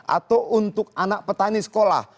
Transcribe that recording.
atau untuk anak petani sekolah